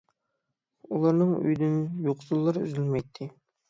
ئۇلارنىڭ ئۆيىدىن يوقسۇللار ئۈزۈلمەيتتى.